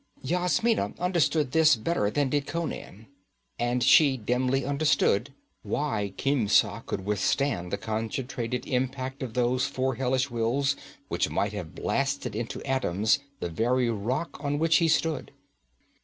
Yasmina understood this better than did Conan. And she dimly understood why Khemsa could withstand the concentrated impact of those four hellish wills which might have blasted into atoms the very rock on which he stood.